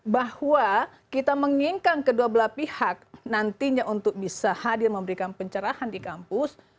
bahwa kita menginginkan kedua belah pihak nantinya untuk bisa hadir memberikan pencerahan di kampus